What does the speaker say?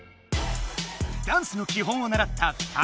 ダンスの基本をならった２人。